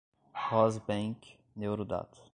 Rosbank, Neurodata